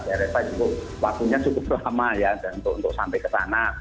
daerah saya juga waktunya cukup lama ya untuk sampai ke sana